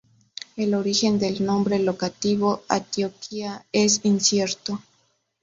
El origen del nombre locativo Antioquia es incierto.